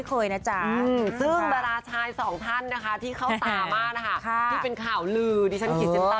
คนเราอ่ะถ้าไปเอากับรถรถอ่ะไม่เอาหรอกพี่